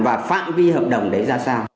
và phạm vi hợp đồng đấy ra sao